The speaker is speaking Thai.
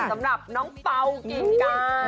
สำหรับน้องเบาเก่งการ